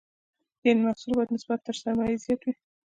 یعنې محصول باید نسبت تر سرمایې زیات وي.